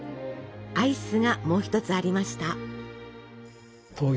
アイスがもう一つありました。